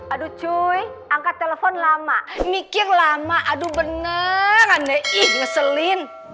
aduh cuy angkat telepon lama mikir lama aduh bener aneh ih ngeselin